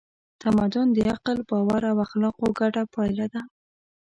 تمدن د عقل، باور او اخلاقو ګډه پایله ده.